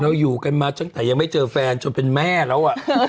อยู่กันมาตั้งแต่ยังไม่เจอแฟนจนเป็นแม่แล้ว